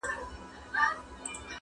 هم لباس هم یې ګفتار د ملکې وو.!